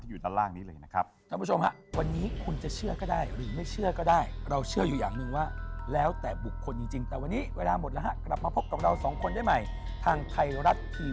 อย่าลบลูกพูดเตรียมรู้ไม่เข้าใครออกใคร